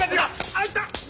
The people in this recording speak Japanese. あいたっ！